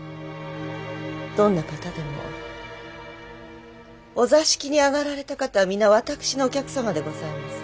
どんな方でもお座敷に上がられた方はみな私のお客様でございます。